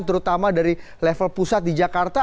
terutama dari level pusat di jakarta